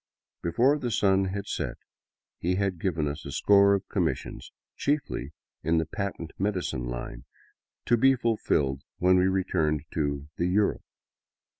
Before the sun had set he had given us a score of commissions, chiefly in the patent medicine line, to be fulfilled when we returned to the " Europe."